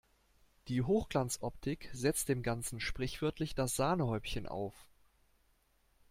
Die Hochglanzoptik setzt dem Ganzen sprichwörtlich das Sahnehäubchen auf.